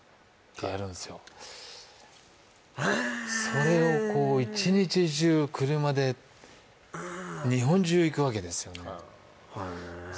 それをこう日本中行くわけですよね